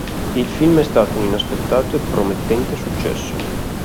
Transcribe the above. Il film è stato un inaspettato e promettente successo.